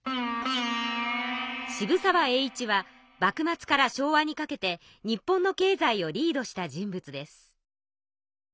幕末から昭和にかけて日本の経済をリードした人物です。